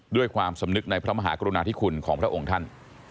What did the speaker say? ด้วยความสำนึกในพระมหากรุณาธิคุณของพระองค์ท่าน